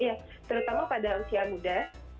ya terutama pada usia muda